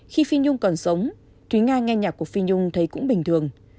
khi phi nhung còn sống thúy nga nghe nhạc của phi nhung thấy cũng bình thường